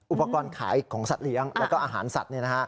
อุปกรณ์ขายของสัตว์เลี้ยงแล้วก็อาหารสัตว์